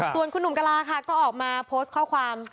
ส่วนคุณหนุ่มกะลาค่ะก็ออกมาโพสต์ข้อความ